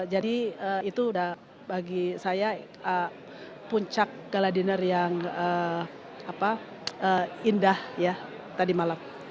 jadi itu udah bagi saya puncak gala dinner yang indah ya tadi malam